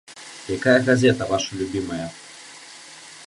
Якая газета ваша любімая?